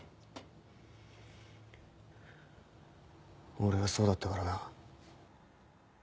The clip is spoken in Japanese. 俺がそうだったからな。